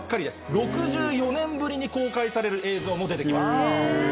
６４年ぶりに出る映像も出てきます。